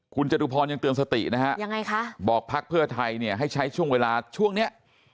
คุณจตุพรยังเตือนสตินะครับบอกพักเพื่อไทยให้ใช้ช่วงเวลาช่วงนี้